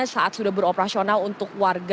saat sudah beroperasional untuk warga